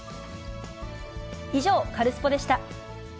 以上、カルスポっ！でした。